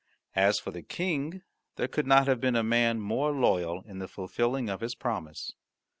As for the King, there could not have been a man more loyal in the fulfilling of his promise.